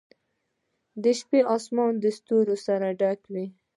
د شپې آسمان ستورو سره ډک و.